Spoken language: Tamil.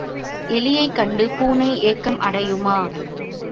எலியைக் கண்டு பூனை ஏக்கம் அடையுமா?